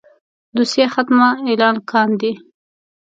دوسيه ختمه اعلان کاندي.